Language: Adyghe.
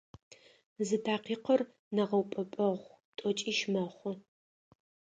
Зы такъикъыр нэгъэупӏэпӏэгъу тӏокӏищ мэхъу.